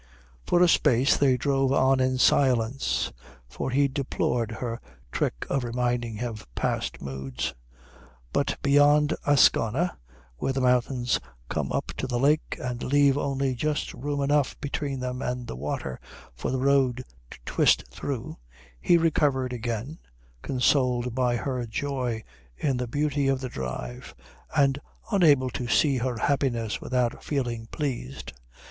For a space they drove on in silence, for he deplored her trick of reminding him of past moods. But beyond Ascona, where the mountains come down to the lake and leave only just room enough between them and the water for the road to twist through, he recovered again, consoled by her joy in the beauty of the drive and unable to see her happiness without feeling pleased.